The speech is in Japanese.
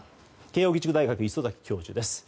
慶應義塾大学の礒崎教授です。